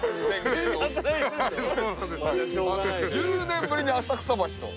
１０年ぶりに浅草橋と。